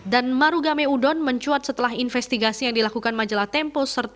dan marugame udon mencuat setelah investigasi yang dilakukan majalah tempo serta bbc